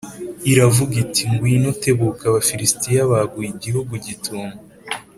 iravuga iti “Ngwino tebuka, Abafilisitiya baguye igihugu gitumo.”